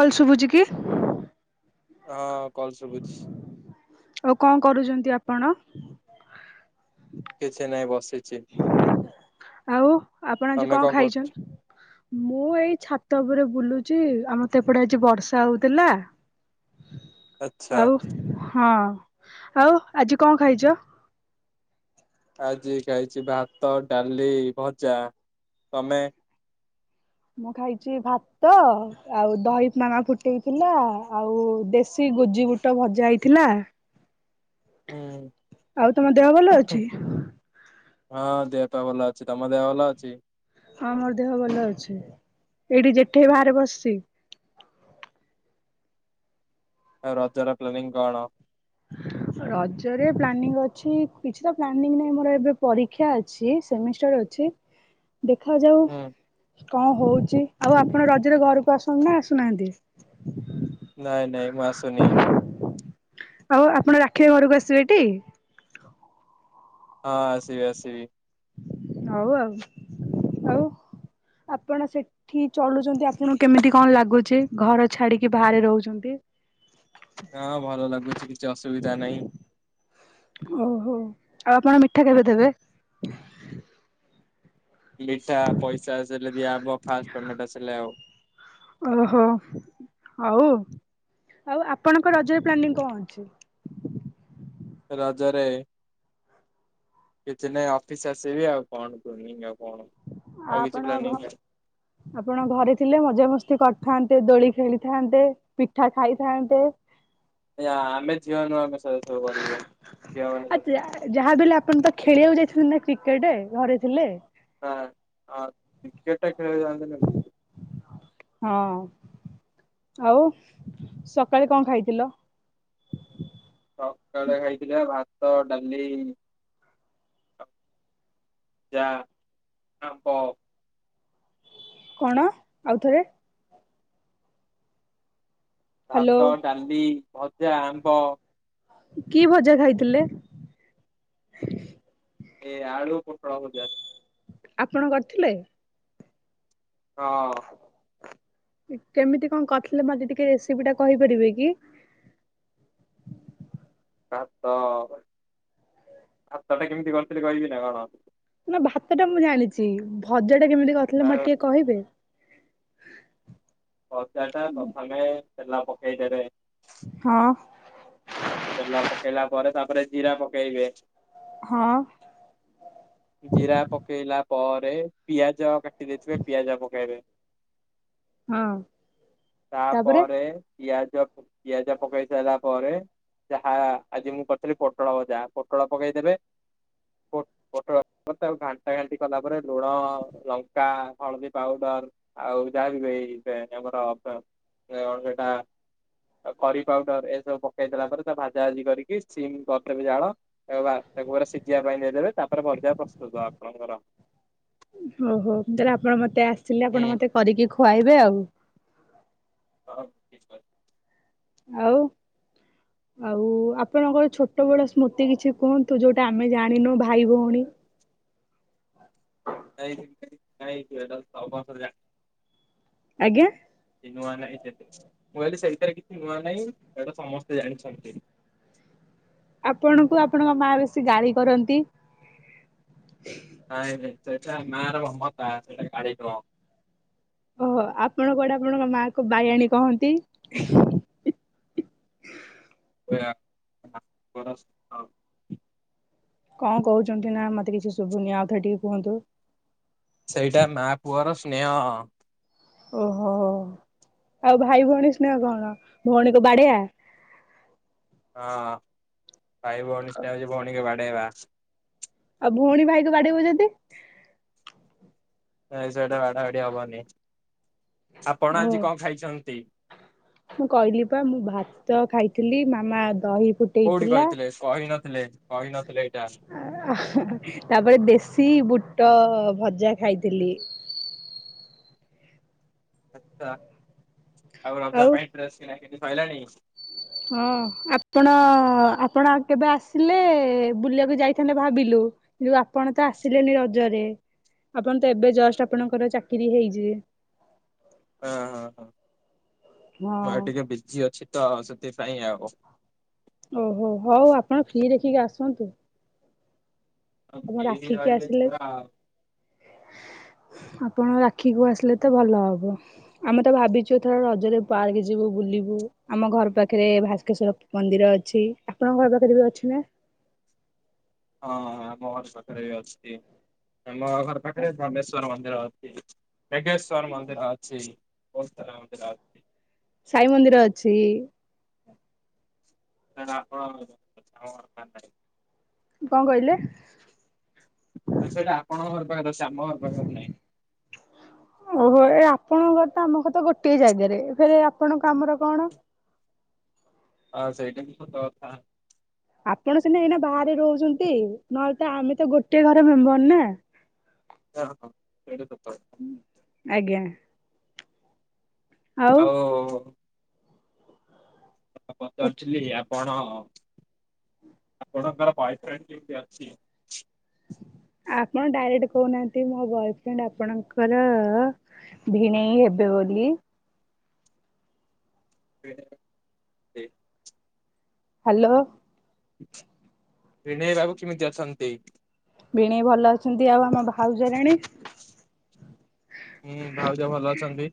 କଲସୁଭୁଚି। କିଏ? ହଁ କଲସ ସୁବୁଚି। ଆଉ କଣ କରୁଛନ୍ତି ଆପଣ। କିଛି ନାଇଁ ବସ୍। ଆଉ ଆପଣ ଆଜି ତମେ କଣ ଖାଇଚନ୍? କରୁଛ? ମୁଁ ଏଇ ଛାତ ଉପରେ ବୁଲୁଚି, ଆମର୍ ତ ଏପଟେ ଆଜି ବର୍ଷା ହଉଥିଲା। ଆଚ୍ଛା ଆଉ, ହଁ। ଆଉ ଆଜି କଣ ଖାଇଚ? ଆଜି ଖାଇଚି, ଭାତ, ଡାଲି, ଭଜା। ତମେ? ମୁଁ ଖାଇଚି ଭାତ, ଆଉ ଦହି ମ-ମା ପୁଟଲ ଫୁଲ ଆଉ ଦେଶୀ ଗୋଜି ଗୁ, ଟ ଭଜା ହେଇଥିଲା। ହୁଁ। ଆଉ ତମ ଦେହ ଭଲ ଅଛି? ହଁ ଦେହପାଅ ଭଲ ଅଛି। ତମ ଦେହ ଭଲ ଅଛି? ହଁ ମୋର ଦେହ ଭଲ ଅଛି। ଏଇଠି ଜେଠି ବାହାରେ ବସଚି। ଆଉ ରଜର ପ୍ଲାନିଂ କଣ? ରଜରେ ପ୍ଲାନିଙ୍ଗ ଅଛି, କିଛି ତ ପ୍ଲାନିଙ୍ଗ ନାହିଁ। ମୋର ଏବେ ପରୀକ୍ଷା ଅଛି। ସେମିଷ୍ଟାର ଅଛି। ଦେଖାଯାଉ। ହୁଁ କଣ ହଉଚି? ଆଉ ଆପଣ ରଜରେ ଘରକୁ ଆସନ୍ତୁ ନା ଆସୁନାହାନ୍ତି? ନାଇଁ, ନାଇଁ, ମୁଁ ଆସୁନି। ଆଉ ଆପଣ ରାକ୍ଷୀ ଘରକୁ ଆସିବେ ଟି? ହଁ ଆସିିବି ଆସିବି। ହଉ ଆଉ। ଆଉ ଆପଣ ସେଠି ଚଳୁଚନ୍ତି, ଆପଣଙ୍କୁ କେମିତି କଣ ଲାଗୁଚି? ଘର ଛାଡିକି ବାହାରେ ରହୁଚନ୍ତି। ହଁ, ଭଲ ଲାଗୁଛି କିଛି ଅସୁବିଧା ନାହିଁ। ଓହୋ ଆଉ ଆପଣ ମିଠା କେବେ ଦେବେ? ମିଠା ପଇସା ଆସିଲେ ଦିଆହବ। ଫାଷ୍ଟ ପେମେଣ୍ଟ ଆସିଲେ ଆଉ। ଓହୋ ହୋଉ। ଆଉ ଆପଣଙ୍କ ରଜରେ ପ୍ଲାନିଂ କଣ ଅଛି? ରଜରେ କିଛି ନାଇ ଅଫିସ ଆସିବି ଆଉ କଣ ପ୍ଲାନିଙ୍ଗ ଆଉ କଣ? ଆଉ କିଛି ଆ-ଆପଣ ପ୍ଲାନିଂ ଘ ନାହିଁ ଆପଣ ଘରେ ଥିଲେ ମଜାମସ୍ତି କର। ଥାନ୍ତେ- ଦୋଳି ଖେଳିଥାନ୍ତେ-ପିଠା ଖାଇଥାନ୍ତେ। ଆ, ଆମେ ଝିଅ ନୁହ, ଆମେ ସ ସବୁ କରିବୁ, ଝିଅ ମାନେ ଆଉ କ। ଟିକେଟେ, ଘରେ ଥିଲେ, ହଁ ଟିକେଟ [unintelligible] ହଁ ଆଉ ସକାଳେ କଣ ଖାଇଥିଲ? ସକାଳେ ଖାଇଥିଲା ଭାତ- ଡାଲି- [inaudible] କଣ ଆଉ ଥରେ। ହ୍ୟାଲୋ ଭାତ-ଡାଲି-ଭଜା- ଆମ୍ବ। କି ଭଜା ଖାଇଥିଲେ। ଏ ଆଳୁ ପୋଟଳ ଭଜା। ଆପଣ କରିଥିଲେ। ହଁ। କେମିତି କଣ କରିଥିଲେ ମତେ ଟିକେ ରେସିପି ଟା କହିପାରିବେ କି? ଭାତ ଭାତ ଟା କେମିତି କରିଥିଲି କହିବି ନାଁ କଣ। ନା ଭାତ ଟା ମୁଁ ଜାଣିଛି। ଭଜ ସେଉଟା କେମିତି କଥିଲେ ମତେ ଆଉ ଟିକେ କହିବେ। ଭଜା ଟା ପ୍ରଥମେ ତେଲ ପକେଇ ଦେବେ। ହଁ। ତେଲ ପକେଇଲା ପରେ ତାପରେ ଜିରା ପକେଇବେ। ହଁ। ଜିରା ପକେଇଲା ପରେ ପିଆଜ କା ଦେଇଥିବେ ପିଆଜ ପକାଇବେ ହଁ ତାପରେ ପିଆଜ [unintelligible] ପିଆଜ ପକେଇ ସାଇଲା ପରେ ଯାହା ଆଜି ମୁଁ କରିଥିଲି ପୋଟଳ ଭଜା ପୋଟଳ ପକେଇ ଦେବେ। ପୋ ପୋଟଳ ମ ତାକୁ ଘାଣ୍ଟା ଘାଣ୍ଟି କଲା ପରେ ଲୁଣ-ଲଙ୍କା-ହଳଦୀ ପାଉଡର ଆଉ ଯାହା ବି ଏଇ ଇ ଵ ଆମର ସେଟା କରି ପାଉଡର ଏସବୁ ପକେଇ ଦେଲା ପରେ ତା ଭାଜା ଭାଜି କରିକି ସିମ୍ କରିଦେବ ଜାଳ। ବା ତାକୁ ପୁରା ସିଝିବା ପାଇଁ ଦେଇଦେବେ। ତାପରେ ଭଲ [inaudible] ଆପଣଙ୍କର। ଓ ହୋ [inaudible] ଆପଣ ମତେ ଆସ ଆସିଲେ ଆପଣ ମତେ କରିକି ଖୁଆଇବେ ଆଉ। [unintelligible] ଆଉ ଆଉ ଆପଣଙ୍କର ଛୋଟ ବଳ ସ୍ମୃତି କିଛି କୁହନ୍ତୁ। ଯୋଉଟା ଆମେ ଜାଣିନୁ ଭାଇ ଭଉଣୀ। [unintelligible] ଆଜ୍ଞା। ନୂଆ ନାହିଁ ମୁଁ କହିଲି ସେଇଥିରେ କିଛି ନୂଆ ନାହିଁ ଏଇଟା ସମସ୍ତେ ଜାଣିଛନ୍ତି। ଆପଣଙ୍କୁ ଆପଣଙ୍କ ମା ବେଶୀ ଗାଳି କରନ୍ତି। ନାଇଁ ନାଇଁ ସେଇଟା ମାଁ ର ଭମତା ସେଇଟା ଗାଳି ନୁହଁ। ଓହୋ ଆପଣ କୁଆଡେ ଆପଣଙ୍କ ମା କୁ ବାଇଆଣୀ କହନ୍ତି। [unintelligible] କଁ କୋହୁଛନ୍ତି ନାଁ ମତେ କିଛି ଶୁଭୁନି ଆଉ ଥରେ ଟିକେ କୁହନ୍ତୁ। ସେଇଟା ମା ପୁଅର ସ୍ନେହ। ଓହୋ ଆଉ ଭାଇ ଭଉଣୀ ସ୍ନେହ କଣ ଭୋଣୀକୁ ବାଡ଼େଇଆ? ହଁ। ଭାଇ ଭୋଉଣୀ ସ୍ନେହ ହୋଉଚି ଭଉଣୀ ବା ଏବା ଆଉ ଭୋଉଣୀ ଭାଇକୁ ବାଡେଇବ ଯଦି? ମୁଁ [unintelligible] ସେଇଟା ବାଡା ବିଡି ହବନି। ଆପଣ ଓ ଆଜି କଣ ଖାଇଛନ୍ତି? ମୁଁ କହିଲି ପା ମୁଁ ଭାତ ଖାଇ ଥିଲି ମାମା ଦହି କୋଉଠି ଫୁଟେଇଥିଲା। କହିଥିଲେ କହିନଥିଲେ କହିନଥିଲେ ଏଇଟା। ଆ ତାପରେ ଦେଶୀ ବୁଟ ଓ ଭଜା ଖାଇଥିଲି। ଆଚ୍ଛା। ଆଉ କଣ ରେ ଆଉ ପାଇଁ ଡ୍ରେସ୍ କିଣା ଏନୁ ସଇଲାଣି? ହଁ ଆପଣ ଆପଣ ଆଉ କେବେ ଆସିଲେ ବୁଲିବାକୁ ଯାଇଥାନ୍ତେ ଭାବିଲୁ କିନ୍ତୁ ଆପଣ ତ ଆସିଲେନି ରଜରେ ଆପଣ ତ ଏବେ ଜଷ୍ଟ ଆପଣଙ୍କର ଚାକିରି ହେଇଯେ। ହ ହଁ ହଁ ମୁଁ ହଁ ଆଉ ଟିକେ ବିଜି ଅଛି ତ ସେଥିପାଇଁ ଆଉ ଓ ସନ୍ତୁ ଆଉ ଦିନି ରହିଲେ ଆସିଲେ ଯିବା। ଆପଣ ରାକ୍ଷୀକୁୁ ଆସିଲେ ତ ଭଲ ହବ। ଆମେ ତ ଭାବିଚୁ ଏଥର ରଜରେ ପାର୍କେ ଯିବୁ ବୁଲିବୁ ଆମ ଘର ପାଖେରେ ଭାସ୍କେଶ୍ଵର ମନ୍ଦିର ଅଛି। ଆପଣଙ୍କ ଘର ପାଖରେ ବି ଅଛି ନାଁ? ହଁ ଆମ ଘର ପାଖରେ ବି ଅଛି। ଆମ ଘର ପାଖରେ ଜାମେଶ୍ଵର ମନ୍ଦିର ପିଜୁ କେଗେଶ୍ଵର ମନ୍ଦିର ଅଛି। ବୋହୁତ୍ ସାରା ମନ୍ଦିର ଅଛି। ସାଇ ମନ୍ଦିର ଅଛି। କାଣ ଆପଣ [inaudible] କଁ କହିଲେ? ତ ସେଇଟା ଆପଣଙ୍କ ଘର ପାଖରେ ଅଛି ଆମ ଘର ପାଖରେ ନାହିଁ। ଓହୋ ଏ ଆପଣଙ୍କ ଘର ତ ଆମ ଘର ତ ଗୋଟଏ ଜାଗାରେ ଫେରେ ଆପଣଙ୍କ ଆାମର କଣ? ହଁ ସେଇଟା ବି ସତ କଥା। ଆପଣ ସିନା ଏଇନା ବାହାରେ ରୋହୁଚନ୍ତି ନହେଲେ ତ ଆମେ ତ ଗୋଟିଏ ଘର ମେମ୍ବର ନାଁ। [unintelligible] ହଁ ସେଇଟା ତ [unintelligible] ଆଜ୍ଞା। ଆଉ [inaudible] ପଛୁ ପଚାରୁଥିଲି ଆପଣ ହଉ ଆପଣଙ୍କର ବୟଫ୍ରେଣ୍ଡ୍ କେମତି ଅଛି? ଆପଣ ଡାଇରେକ୍ଟ୍ କହୁନାହାନ୍ତି ମୋ ବୟଫ୍ରେଣ୍ଡ୍ ଆପଣଙ୍କରଅଅ ଭିଣେଇ ହେବେ ବୋଲି [inaudible] ହ୍ୟାଲୋ। ବିନୟ ବାବୁ କେମିତି ଅଛନ୍ତି? ଭିଣେଇ ଭଲ ଅଛନ୍ତି ଆଉ ଆମ ଭାଉଜରାଣୀ? ହୁଁ ଭାଉଜ ଭଲ ଅଛନ୍ତି।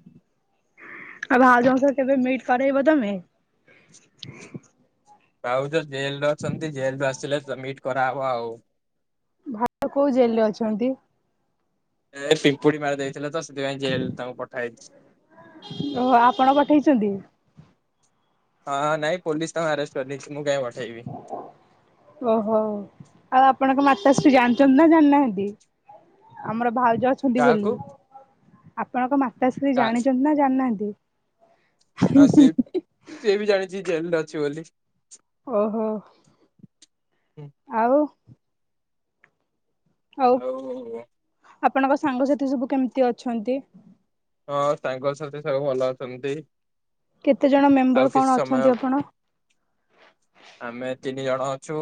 ଆଉ ଭାଉଜଙ୍କ ସହ କେବେ ମିଟ୍ କରେଇବ ତମେ? ଭାଉଜ ଜେଲରେ ଅଛନ୍ତି ଜେଲରୁ ଆସିଲେ ସବମିଟ୍ କରାହେବ ଆଉ ଭା [inaudible] କୋଉ ଜେଲ ରେ ଅଛନ୍ତି? ଏଏ ପିମ୍ପୁଡ଼ି ମାରି ଦେଇେଇଥିଲେ ତ ସେଥିପାଇଁ ଜେଲ୍ ତାଙ୍କୁ ପଠା ହେଇଛି। ଓହୋ ଆପଣ ପଠେଇଛନ୍ତି ହଁଅ, ନାଇଁ ପୋଲିସ୍ ତାଙ୍କୁ ଆରେଷ୍ଟ କରିିନେଇଛି ମୁଁ କାଇଁ [inaudible] ଓହୋଃ ଆଉ ଆପଣଙ୍କ ମାତାଶ୍ରୀ ଜାଣିଛନ୍ତି ନା ଜାଣିନାହାନ୍ତି? ଆମର ଭାଉଜ୍ ଜ ଅଛନ୍ତି ବୋଲି କାହାକୁ ଆପଣଙ୍କ ମାଆ। ତ ସେ [inaudible] କା ଜାଣିଛନ୍ତି ନା ଜାଣିନାହାନ୍ତି? ଆଁ ସେ ସେ ବି ଜାଣିଛି। ଜେଲରେ ଅଛି ବୋଲି। ଓହୋଃ ଆଉ ଆଉ ହଉ ହଉ [inaudible] ଆପଣଙ୍କ ସାଙ୍ଗସାଥି ସବୁ କେମିତି ଅଛନ୍ତି? ହଁ ସାଙ୍ଗ ସାଥି ସବୁ ଭଲ ଅଛନ୍ତି। କେତେ ଜଣ ଆଉ ମେମ୍ବର କିଛି କଣ ଅଛନ୍ତି ସମୟ ଆପଣ? ଆମେ ତିନି ଜଣ ଅଛୁ,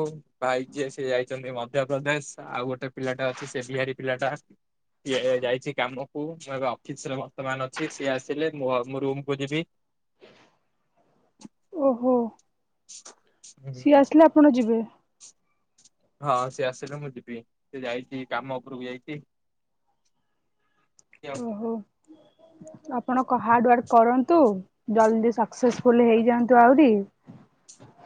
ଭାଇ ଯିଏ ସିଏ ଯାଇଛନ୍ତି ମଧ୍ୟପ୍ରଦେଶ ଆଉ ଗୋଟେ ପିଲାଟା ଅଛି ସେ ବିହାରୀ ପିଲାଟା, ସିଏ ଯାଇଛି କାମକୁ ମୁଁ ଏବେ ଅଫିସରେ ବ ସେମାନେ ଅଛି ସିଏ ଆସିଲେ ମୁଁ ଆ ମୁଁ ରୁମକୁୁ ଯିବି। ଓହୋଃ ସିଏ ଆସିଲେ ଆପଣ ଯିବେ? ହଁ ସିଏ ଆସିଲେ ମୁଁ ଯିବି, ସେ ଯାଇଚି କାମ ଉପରକୁ ଯାଇଚି। ଓହୋଃ। ଆପଣ କଣ ହାର୍ଡୱାର୍କ କରନ୍ତୁ ଜଲଦି ସକ୍ କ୍ସେସଫୁଲ୍ ହେଇଯାଆନ୍ତୁ ଆହୁରି।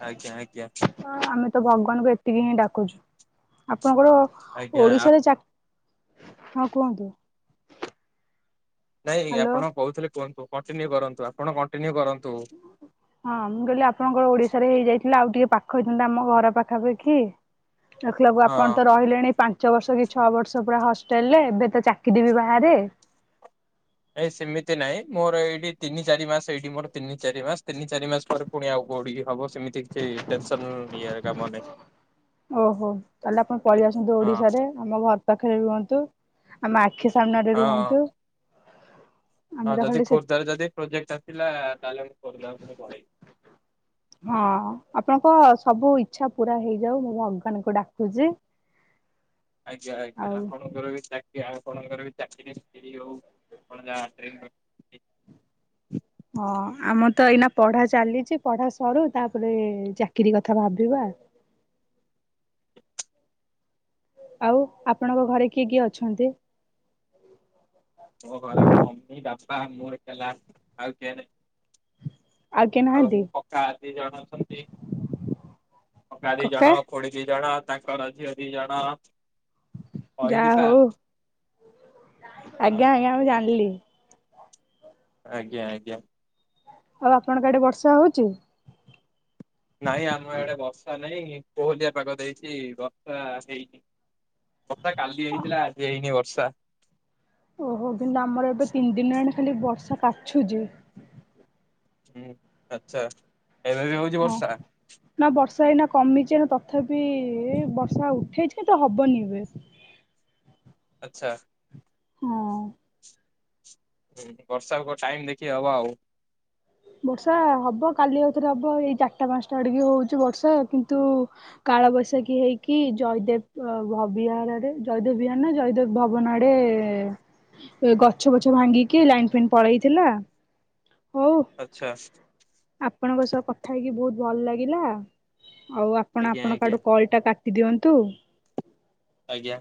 ଆଜ୍ଞା ଆଜ୍ଞା ହ ଆମେ ତ ଭଗବାନଙ୍କୁ ଏତିକି ହିଁ ଡାକୁଛୁ ଆପଣଙ୍କର ଆଜ୍ଞା ଆ- ଓଡିଶାରେ ହଁ କୁହନ୍ତୁ ନାଇଁ ହ୍ୟାଲୋ। ଆପଣ କହୁଥିଲେ କୁହନ୍ତୁ। କଣ୍ଟିନ୍ୟୁ କରନ୍ତୁ ଆପଣ କଣ୍ଟିନ୍ୟୁ କରନ୍ତୁ। ହଁ ମୁଁ କହିଲି ଆପଣଙ୍କର ଓଡିଶାରେ ହେଇଯାଇଥିଲା। ଆଉ ଟିକେ ପାଖ କହିଛନ୍ତି ଆମ ଘର ପାଖାପାଖି। ଦେଖିଲକୁୁ ହଁ ଆପଣ ତ ରହିଲେଣି ପାଞ୍ଚ ପାଞ୍ଚ ବର୍ଷ କି ଛଅ ବର୍ଷ ପୁରା ହଷ୍ଟେଲରେ ଏବେ ତ ଚାକିରି ବି ବାହାରେ। ଏ ସେମିତି ନାଇଁ ମୋର ଏଇଠି ତିନି ଚାରି ମାସ ଏଇଠି ମୋର ତିନି ଚାରି ମାସ ତିନି ଚାରି ମାସ ପରେ ପୁଣି ଆଉ କୋଉଠିକି ହବ। ସେମିତି କିଛି ଟେନସନ ଇଏ କାମ ନାହିଁ ଓହୋ ତାହାଲେ ଆପଣ ପଳେଇ ଆସନ୍ତୁ ହଁ। ଓଡିଶାରେ ଆମ ଘର ପାଖରେ ରୁହନ୍ତୁ। ଆମ ଆଖି ସାମ୍ନା ରେ ହଁ ରୁହନ୍ତୁ। ଆମେ ହଁ ତ ଯଦି ଖାଲି ସେ ଖୋର୍ଦ୍ଧା ରେ ଯଦି ପ୍ରୋଜେକ୍ଟ ଅଛି। ହେଲା ତାହାଲେ ମୁଁ ଖୋର୍ଦ୍ଧା କୁ ପଳେଇବି। ହଁ ଆପଣଙ୍କ ସବୁ ଇଚ୍ଛା ପୁରା ହେଇଯାଉ। ମୁଁ ଭଗବାନଙ୍କୁ ଡାକୁଛି। ଆଜ୍ଞା ଆଜ୍ଞା ଆଉ ଆପଣଙ୍କର ବି ଆପଣଙ୍କର ବି ଚାକିରିକିରି ହୋଉ। ଆପଣଙ୍କର ଯାହା ଡ୍ରିମ୍ ର ହଁ ଆମର ତ ଏଇନା ପଢା ଚାଲିଛି ପଢା ସରୁୁ ତାପରେ ଚାକିରି କଥା ଭାବିବା। ଆଉ ଆପଣଙ୍କ ଘରେ କିଏ କିଏ ଅଛନ୍ତି। ବା ମର କଲା ଆଉ କେ କିଏ ଆଉ ନାହାନ୍ତି? ମୋ ପକ୍କା ଦି ଜଣ ଅଛନ୍ତି। ପକ୍କା ଦି କକା ଜଣ ଖୁଡୀ ଦି ଜଣ। ତାଙ୍କର ଝିଅ ଦି ଜଣ। ଅଏଲି ଯାହା ପାନ୍। ହଉ ଆଜ୍ଞା ଆଜ୍ଞା ମୁଁ ଜାଣିଲି। ଆଜ୍ଞା ଆଜ୍ଞା। ଆଉ ଆପଣଙ୍କ ଆଡେ ବର୍ଷା ହୋଉଛି। ନାଇଁ ଆମ ଆଡେ ବର୍ଷା ନାଇଁ। କୋହଲିଆ ପାଗ ଦେଇଛି ବର୍ଷା ହେଇନି। ବର୍ଷା କାଲି ହେଇଥିଲା ଆଜି ହେଇନି। ଆଚଛା। ଓହୋ କିନ୍ତୁ ଆମର ଏବେ ତିନି ଦିନଣି। ଖାଲି ବର୍ଷା କାଛୁଚି। ହୁଁ ଆଚ୍ଛା। ଏବେ ବି ହଉଛି ହଁ ବର୍ଷା। ନା ବର୍ଷା ଏଇନା କମିଛି। ନା ତଥାପି ବର୍ଷା ଉଠେଇଛି କିନ୍ତୁ ହବନି ଏବେ। ଆଚ୍ଛା। ହଁ। ହୁଁ ବର୍ଷାକୁ କ ଟାଇମ୍ ଦେଖି ହବା ଆଉ। ବର୍ଷା ହବ କାଲି ଆଉଥରେ ହବ ଏଇ ଚାରିଟା ପାଞ୍ଚଟା ଆଡିକ ହଉଛି ବର୍ଷା। କିନ୍ତୁ କାଳ ବୈଷାଖୀ ହେଇକି ଜୟଦେବ ଭ ବିହାରରେ ଜୟଦେବ ବିହାରହାର ନା ଜୟଦେବ ଭବନ ଆଡେ ଗଛ ବଛ ଭାଙ୍ଗିକି ଲାଇନ୍ ଫାଇନ୍ ପଳେଇଥିଲା। ହଉ ଆଚ୍ଛା। ଆପଣଙ୍କ ସହ କଥା ହେଇକି ବହୁତ ଭଲ ଲାଗିଲା। ଆଉ ଆପଣ ଆଜ୍ଞା ଆପଣଙ୍କ ଆଡୁ ଆଜ୍ଞା କଲ୍ ଟା କା ତି ଦିଅନ୍ତୁ। ଆଜ୍ଞା।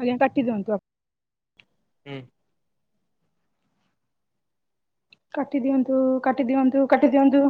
ଆଜ୍ଞା କଟିଦିଅନ୍ତୁ। ହୁଁ। କାଟି ଦିଅନ୍ତୁ, କାଟି ଦିଅନ୍ତୁ, କାଟି ଦିଅନ୍ତୁ।